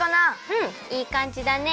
うんいいかんじだね。